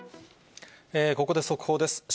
ここで速報です。